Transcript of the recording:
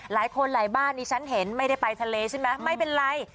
หลายคนหลายบ้านดิฉันเห็นไม่ได้ไปทะเลใช่ไหมไม่เป็นไร